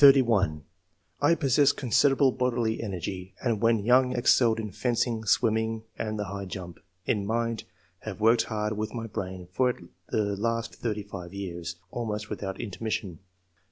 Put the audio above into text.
"1 possess considerable bodily energy, and when young excelled in fencing, swimming, and the high jump. In mind — Have worked hard with my brain for the last thirty five years, almost without intermission.